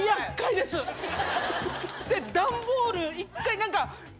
段ボール一回何か。